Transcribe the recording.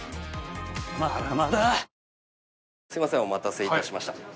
お待たせいたしました。